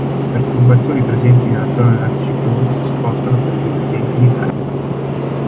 Le perturbazioni presenti nella zone dell'anticiclone si spostano per via del vento in Italia.